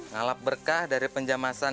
ngalap berkah dari penjamasan